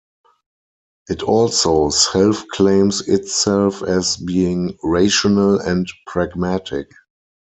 It also self-claims itself as being "rational and pragmatic".